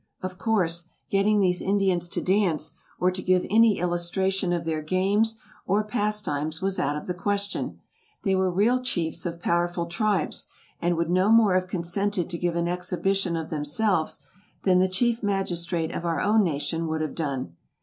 Of course, getting these Indians to dance, or to give any illustration of their games or pastimes, was out of the question. They were real chiefs of powerful tribes, and would no more have consented to give an exhibition of themselves than the Chief Magistrate of our own nation would have done.